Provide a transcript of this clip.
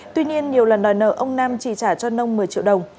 tuy nhiên nhiều lần đòi nợ ông nam chỉ trả cho nông một mươi triệu đồng